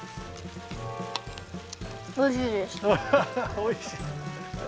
おいしい。